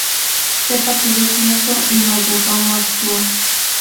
Sepa que yo pienso y Mayordomo actúa.